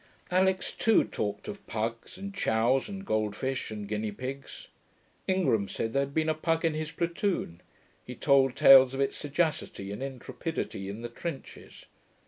Alix too talked of pugs, and chows, and goldfish, and guinea pigs. Ingram said there had been a pug in his platoon; he told tales of its sagacity and intrepidity in the trenches.